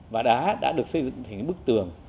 và đá đã được xây dựng thành bức tường